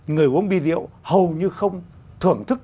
người uống bia rượu hầu như không thưởng thức